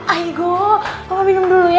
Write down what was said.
aigo kamu minum dulu ya